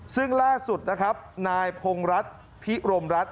ซึ่งล่าสุดนะครับนายพงรัฐพิรมรัฐ